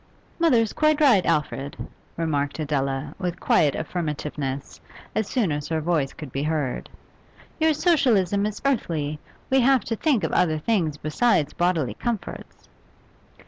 'Mother is quite right, Alfred,' remarked Adela, with quiet affimativeness, as soon as her voice could be heard. 'Your Socialism is earthly; we have to think of other things besides bodily comforts.